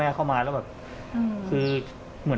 แม่เข้ามาแล้วคือเหมือน